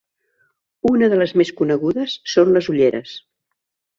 Una de les més conegudes són les ulleres.